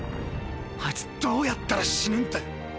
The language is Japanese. あいつどうやったら死ぬんだよ。